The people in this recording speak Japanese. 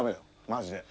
マジで。